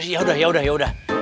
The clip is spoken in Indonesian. yaudah yaudah yaudah